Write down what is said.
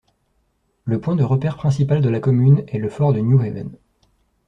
Le point de repère principal de la commune est le fort de Newhaven.